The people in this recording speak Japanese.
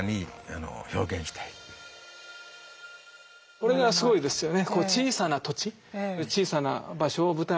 これがすごいですよね。